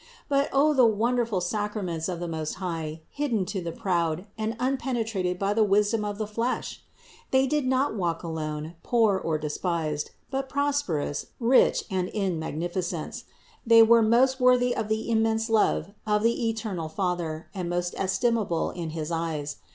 But O the wonderful sacraments of the Most High, hidden to the proud, and unpenetrated by the wisdom of the flesh ! They did not walk alone, poor or despised, but prosperous, rich and in magnificence. They were most worthy of the immense love of the eternal Father and most estimable in his eyes.